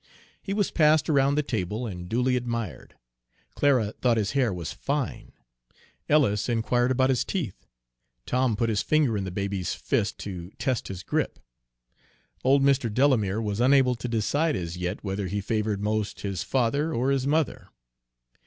He was passed around the table and duly admired. Clara thought his hair was fine. Ellis inquired about his teeth. Tom put his finger in the baby's fist to test his grip. Old Mr. Delamere was unable to decide as yet whether he favored most his father or his mother.